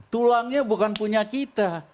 tulangnya bukan punya kita